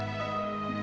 dia mencari saya